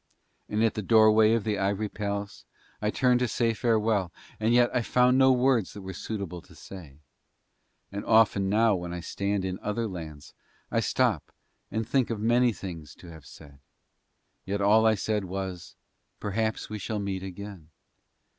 And at the doorway of the ivory palace I turned to say farewell and yet I found no words that were suitable to say. And often now when I stand in other lands I stop and think of many things to have said; yet all I said was "Perhaps we shall meet again."